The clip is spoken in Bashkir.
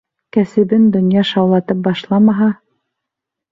— Кәсебен донъя шаулатып башламаһа!